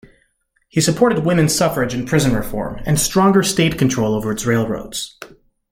He supported women's suffrage and prison reform, and stronger state control over its railroads.